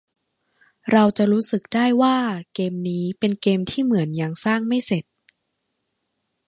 เราจะรู้สึกได้ว่าเกมนี้เป็นเกมที่เหมือนยังสร้างไม่เสร็จ